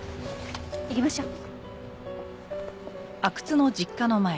行きましょう。